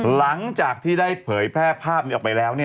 หลังจากที่ได้เผยแพร่ภาพนี้ออกไปแล้ว